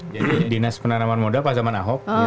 jadi dinas penanaman moda pas zaman ahok